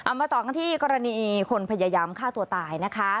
มาต่อกันที่กรณีคนพยายามฆ่าตัวตายนะคะ